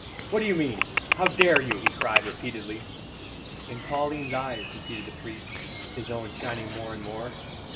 "What do you mean? How dare you?" he cried repeatedly. "In Pauline's eyes," repeated the priest, his own shining more and more.